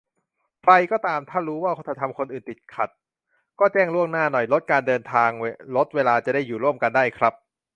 ใครก็ตาม ถ้ารู้ว่าจะทำคนอื่นติดขัด ก็แจ้งล่วงหน้าหน่อย ลดการเดินทาง ลดเวลา จะได้อยู่ร่วมกันได้ครับ